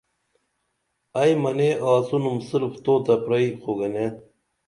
ائی منے آڅِنُم صرف تو تہ پری خو گنے